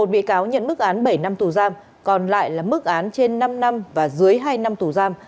một mươi một bị cáo nhận mức án bảy năm thủ giam còn lại là mức án trên năm năm và dưới hai năm thủ giam